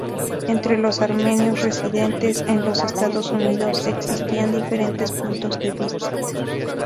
Entre los armenios residentes en los Estados Unidos existían diferentes puntos de vista.